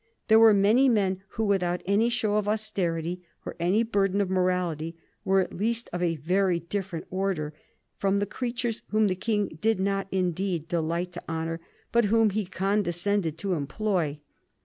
There were many men who, without any show of austerity or any burden of morality, were at least of a very different order from the creatures whom the King did not indeed delight to honor, but whom he condescended to employ.